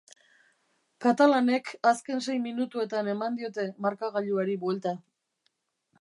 Katalanek azken sei minutuetan eman diote markagailuari buelta.